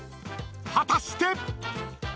果たして⁉］